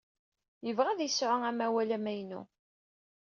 Yebɣa ad yesɛu amawal amaynu.